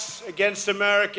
serangan terhadap amerika